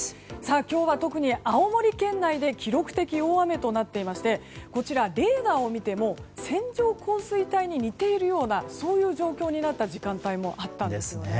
今日は特に青森県内で記録的大雨となっていましてレーダーを見ても線状降水帯に似ているような状況になった時間帯もあったんです。